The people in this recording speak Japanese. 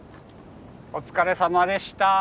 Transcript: お疲れさまでした。